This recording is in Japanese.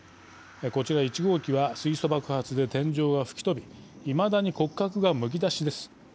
こちら１号機は水素爆発で天井が吹き飛びいまだに骨格がむき出しです。